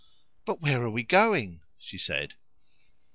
"But where are we going?" she said.